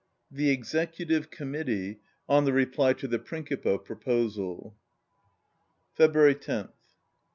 43 THE EXECUTIVE COMMITTEE ON THE REPLY TO THE PRINKIPO PRO POSAL February loth.